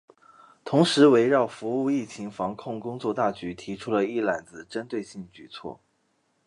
同时围绕服务疫情防控工作大局提出了“一揽子”针对性举措